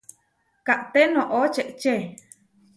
Kaʼté noʼó čečé!